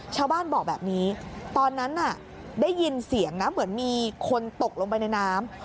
ชาวบ้านบอกแบบนี้ตอนนั้นน่ะได้ยินเสียงนะเหมือนมีคนตกลงไปในน้ำ